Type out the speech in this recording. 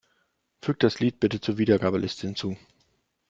Füg das Lied bitte zur Wiedergabeliste hinzu.